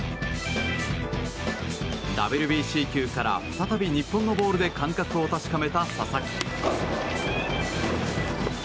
ＷＢＣ球から再び日本のボールで感覚を確かめた佐々木。